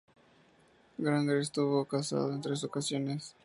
Granger estuvo casado en tres ocasiones.